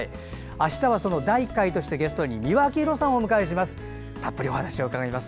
あしたはその第１回としてゲストに美輪明宏さんをお迎えします。